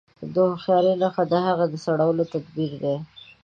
د هوښياري نښه د هغې د سړولو تدبير دی.